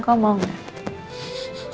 kau mau gak